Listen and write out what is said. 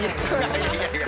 いやいや。